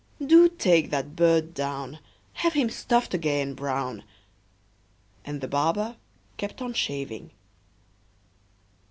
Do take that bird down; Have him stuffed again, Brown!" And the barber kept on shaving.